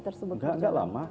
tersebut enggak lama